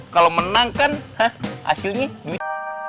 kalau menang kan hasilnya duit